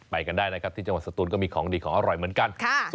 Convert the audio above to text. ไปกันได้นะครับที่จังหวัดสตูนก็มีของดีของอร่อยเหมือนกัน